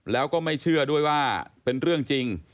แล้วก็ไม่เชื่อด้วยว่าเป็นเรื่องจริง